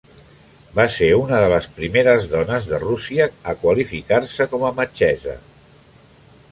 Va ser una de les primeres dones de Rússia a qualificar-se com a metgessa.